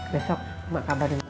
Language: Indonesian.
besok mak kabarin